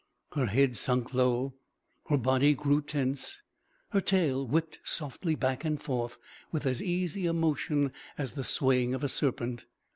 Her head sunk low, her body grew tense, her tail whipped softly back and forth, with as easy a motion as the swaying of a serpent.